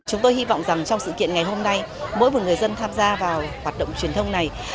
chúng tôi hy vọng rằng trong sự kiện ngày hôm nay mỗi một người dân tham gia vào hoạt động truyền thông này